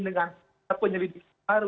dengan penyelidikan baru